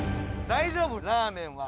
大丈夫？